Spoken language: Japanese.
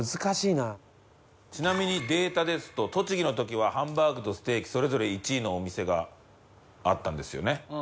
ちなみにデータですと栃木の時はハンバーグとステーキそれぞれ１位のお店があったんですよね。